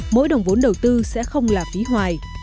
mỗi đồng vốn đầu tư sẽ không là phí hoài